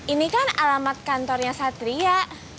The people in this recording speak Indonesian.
ini kan alamat kantornya satria